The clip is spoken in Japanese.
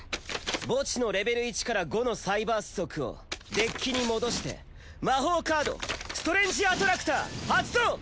墓地のレベル１から５のサイバース族をデッキに戻して魔法カードストレンジ・アトラクター発動！